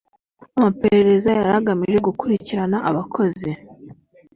amaperereza yari agamije gukurikirana abakoze